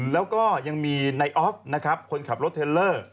แล้วก็ยังมีในออฟนะครับคนขับรถเทลเลอร์